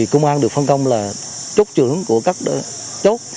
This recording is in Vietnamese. công an được phân công là trúc trưởng của các chốt